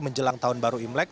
menjelang tahun baru imlek